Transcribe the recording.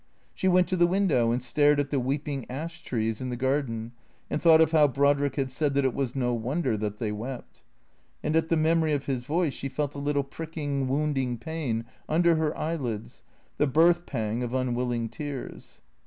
She went to the window, and stared at the weeping ash trees in the garden and thought of how Brod rick had said that it was no wonder that they wept. And at the memory of his voice she felt a little pricking, wounding pain under her eyelids, the birth pang of unwilling tears.